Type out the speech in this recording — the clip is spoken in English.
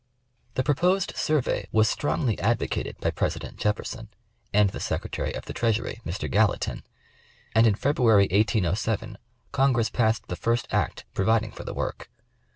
The proposed survey was strongly advocated by President Jef ferson, and the Secretary of the Treasury, Mr. Gallatin, and in February, 1807, Congress passed the first act providing for the work.